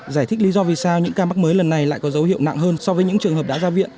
giải thích lý do vì sao những ca mắc mới lần này lại có dấu hiệu nặng hơn so với những trường hợp đã ra viện